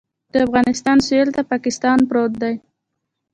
د افغانستان سویل ته پاکستان پروت دی